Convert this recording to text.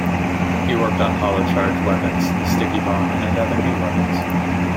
He worked on hollow charge weapons, the sticky bomb and other new weapons.